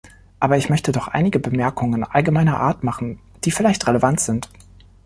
Aber ich möchte doch einige Bemerkungen allgemeiner Art machen, die vielleicht relevant sind.